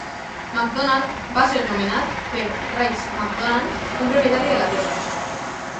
McDonald va ser nomenat per Rice McDonald, un propietari de la terra.